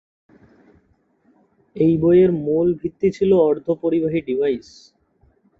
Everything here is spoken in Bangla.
এই বইয়ের মূল ভিত্তি ছিলো অর্ধপরিবাহী ডিভাইস।